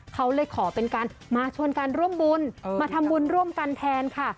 เขาเลยขอเป็นการมาชวนกันร่วมบุญมาทำบุญร่วมกันแทนค่ะ